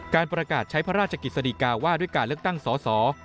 การประกาศใช้พระราชกิจสดีกาว่าด้วยการเลือกตั้งสอสอ